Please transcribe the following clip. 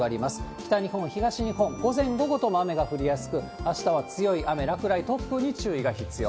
北日本、東日本、午前、午後とも雨が降りやすく、あしたは強い雨、落雷、突風に注意が必要。